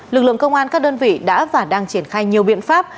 lực lượng công an các đơn vị đã và đang triển khai nhiều biện pháp